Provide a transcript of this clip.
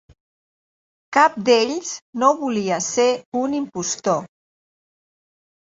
Cap d'ells no volia ser un impostor.